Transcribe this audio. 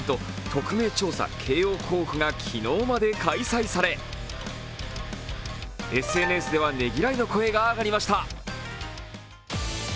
特命調査慶応甲府が昨日まで開催され、ＳＮＳでは、ねぎらいの声が上がりました。